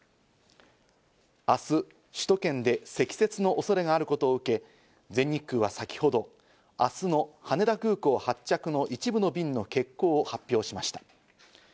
明日、首都圏で積雪の恐れがあることを受け、全日空は先ほど、明日の羽田空港発着の一部の便の欠航を発表しました。